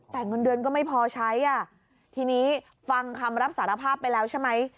แต่เงินเดือนก็ไม่พอใช้อ่ะทีนี้ฟังคำรับสารภาพไปแล้วใช่ไหม